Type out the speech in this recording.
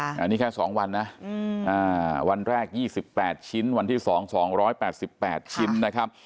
อันนี้แค่๒วันนะวันแรก๒๘ชิ้นวันที่๒๒๘๘ชิ้นนะครับ